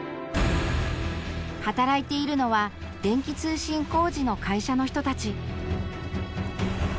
働いているのは電気通信工事の会社の人たち。